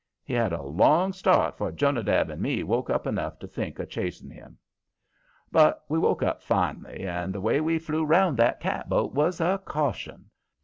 He had a long start 'fore Jonadab and me woke up enough to think of chasing him. But we woke up fin'lly, and the way we flew round that catboat was a caution.